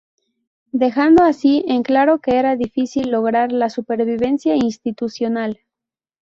Dejando así en claro que era difícil lograr la supervivencia institucional.